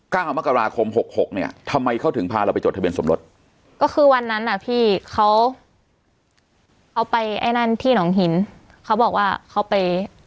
เก้ามกราคมหกหกเนี่ยทำไมเขาถึงพาเราไปจดทะเบียนสมรสก็คือวันนั้นอ่ะพี่เขาเอาไปไอ้นั่นที่หนองหินเขาบอกว่าเขาไป